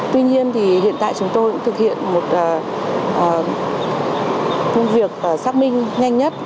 tuy nhiên thì hiện tại chúng tôi cũng thực hiện một công việc xác minh nhanh nhất